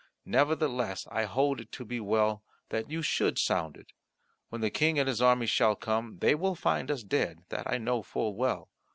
Nevertheless, I hold it to be well that you should sound it. When the King and his army shall come, they will find us dead that I know full well.